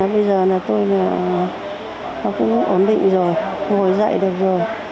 bây giờ tôi cũng ổn định rồi ngồi dậy được rồi